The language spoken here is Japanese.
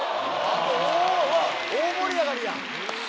「大盛り上がりやん！」